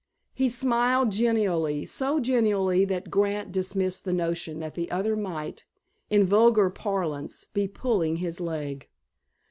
He smiled genially, so genially that Grant dismissed the notion that the other might, in vulgar parlance, be pulling his leg.